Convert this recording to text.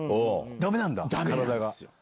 ダメなんだ。